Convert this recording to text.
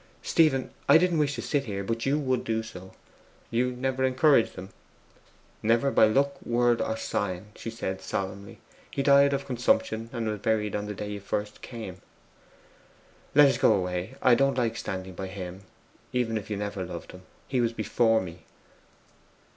'Stephen! I didn't wish to sit here; but you would do so.' 'You never encouraged him?' 'Never by look, word, or sign,' she said solemnly. 'He died of consumption, and was buried the day you first came.' 'Let us go away. I don't like standing by HIM, even if you never loved him. He was BEFORE me.